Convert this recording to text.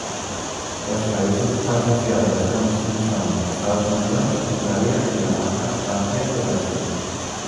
Los países asociados a esta misión son: Estados Unidos, Italia, Dinamarca, Francia y Brasil.